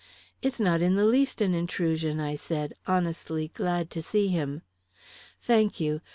"It's not in the least an intrusion," I said, honestly glad to see him. "Thank you.